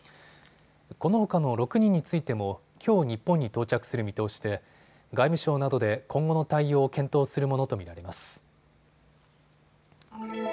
このほかの６人についてもきょう日本に到着する見通しで外務省などで今後の対応を検討するものと見られます。